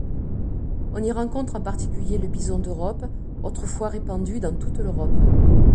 On y rencontre en particulier le bison d'Europe, autrefois répandu dans toute l'Europe.